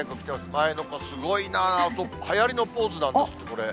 前の子、すごいな、はやりのポーズなんですって、これ。